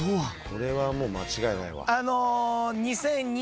これはもう間違いないわ。